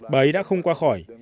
bà ấy đã không qua khỏi